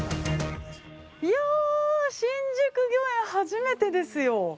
◆いやー、新宿御苑、初めてですよ。